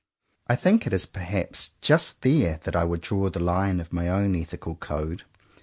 I think perhaps it is just there that I would draw the line of my own ethi cal code.